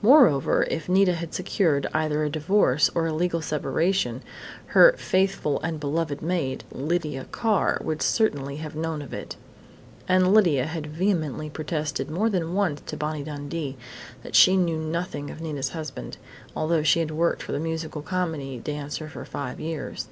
Moreover, if Nita had secured either a divorce or a legal separation, her "faithful and beloved maid," Lydia Carr, would certainly have known of it. And Lydia had vehemently protested more than once to Bonnie Dundee that she knew nothing of Nita's husband, although she had worked for the musical comedy dancer for five years.